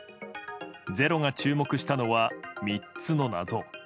「ｚｅｒｏ」が注目したのは３つの謎。